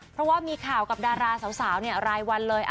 เพราะว่ามีข่าวกับดาราสาวรายวันเลย